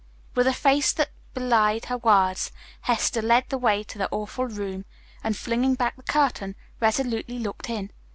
With a face that belied her words Hester led the way to the awful room, and flinging back the curtain resolutely looked in.